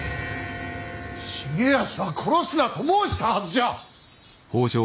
重保は殺すなと申したはずじゃ！